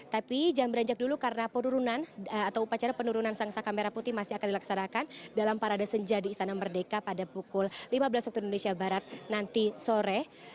tapi jangan beranjak dulu karena penurunan atau upacara penurunan sang saka merah putih masih akan dilaksanakan dalam parade senja di istana merdeka pada pukul lima belas waktu indonesia barat nanti sore